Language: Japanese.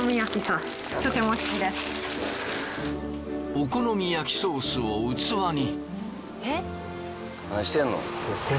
お好み焼きソースを器に。